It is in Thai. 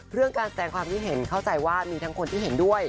เรื่องการแสดงความคิดเห็นเข้าใจว่ามีทั้งคนที่เห็นด้วย